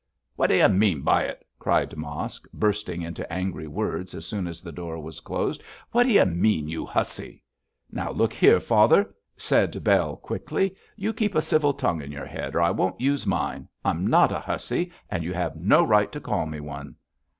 'What d'y mean by it?' cried Mosk, bursting into angry words as soon as the door was closed; 'what d'y mean, you hussy?' 'Now, look here, father,' said Bell, quickly, 'you keep a civil tongue in your head or I won't use mine. I'm not a hussy, and you have no right to call me one.'